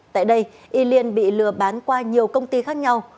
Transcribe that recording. tại đây y liên bị lừa bán qua nhiều công ty khác nhau